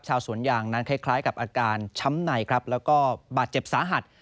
สวนยางนั้นคล้ายกับอาการช้ำในครับแล้วก็บาดเจ็บสาหัส